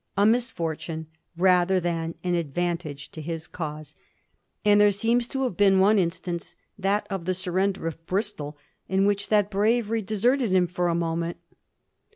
a misfortune rather than an advantage to his cause, and there seems to have been one instance, that of the surrender of Bristol, hi which that bravery deserted him for the moment.